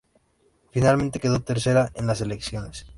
Finalmente quedó tercera en las elecciones.